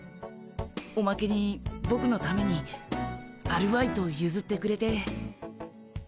おまけにボクのためにアルバイトをゆずってくれて。